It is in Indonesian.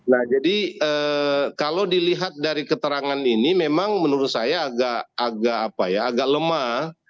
nah jadi kalau dilihat dari keterangan ini memang menurut saya agak lemah